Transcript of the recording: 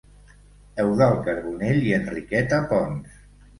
Eudald Carbonell i Enriqueta Pons.